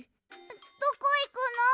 どこいくの？